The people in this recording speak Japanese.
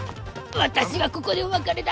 私はここでお別れだ。